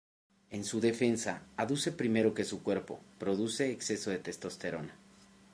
En su defensa, aduce primero que su cuerpo produce exceso de testosterona.